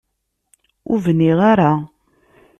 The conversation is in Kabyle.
Ur bniɣ ara.